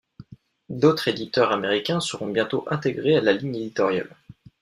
D'autres éditeurs américains seront bientôt intégrés à la ligne éditoriale.